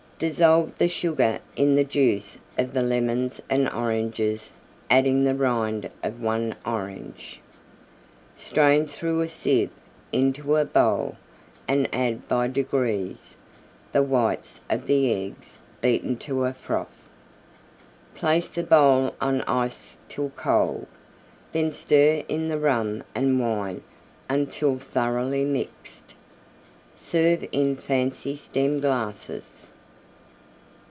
Dissolve the Sugar in the Juice of the Lemons and Oranges adding the Rind of 1 Orange. Strain through a Sieve into a bowl and add by degrees the whites of the Eggs beaten to a froth. Place the bowl on Ice till cold, then stir in the Rum and Wine until thoroughly mixed. Serve in fancy Stem glasses.